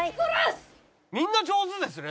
みんな上手ですね。